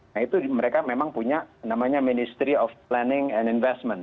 nah itu mereka memang punya namanya ministry of planning and investment